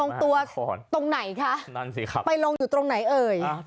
ลงตัวตรงไหนคะไปลงอยู่ตรงไหนเอ่ย